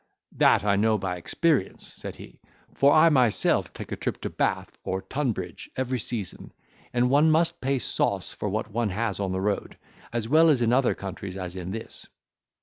"That I know by experience," said he, "for I myself take a trip to Bath or Tunbridge every season; and one must pay sauce for what he has on the road, as well in other countries as in this.